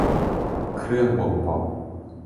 เครื่องบ่งบอก